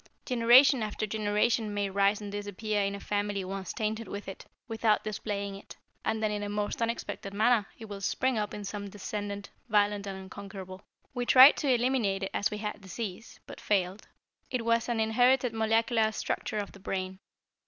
Generation after generation may rise and disappear in a family once tainted with it, without displaying it, and then in a most unexpected manner it will spring up in some descendant, violent and unconquerable. "We tried to eliminate it as we had disease, but failed. It was an inherited molecular structure of the brain.